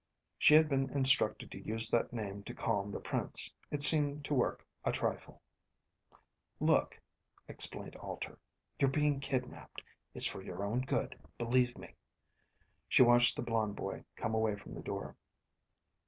She had been instructed to use that name to calm the prince. It seemed to work a trifle. "Look," explained Alter, "you're being kidnapped. It's for your own good, believe me." She watched the blond boy come away from the door.